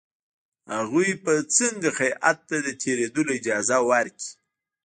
هغوی به څنګه هیات ته د تېرېدلو اجازه ورکړي.